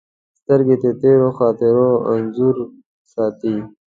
سترګې د تېرو خاطرو انځور ساتي